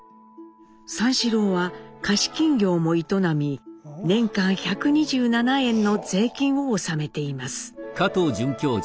三四郎は貸金業も営み年間１２７円の税金を納めています。